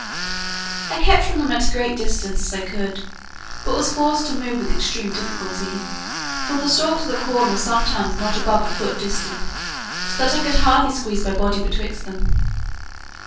I kept from them at as great a distance as I could, but was forced to move with extreme difficulty, for the stalks of the corn were sometimes not above a foot distant, so that I could hardly squeeze my body betwixt them.